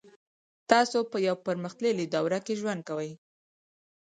تاسو په یوه پرمختللې دوره کې ژوند کوئ